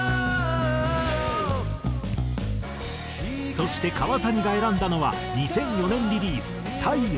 そして川谷が選んだのは２００４年リリース『太陽』。